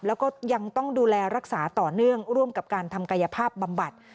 แล้วก็ยังต้องดูแลรักษาต่อเนื่องร่วมกับการทำกายภาพบำบัด